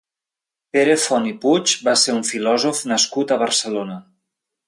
Pere Font i Puig va ser un filòsof nascut a Barcelona.